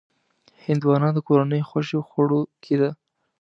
هندوانه د کورنیو خوښې خوړو کې ده.